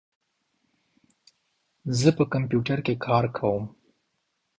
زه په کمپیوټر کې کار کوم.